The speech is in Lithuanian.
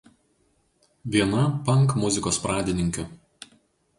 Viena punk muzikos pradininkių.